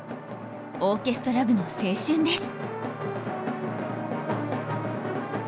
オーケストラ部の青春です。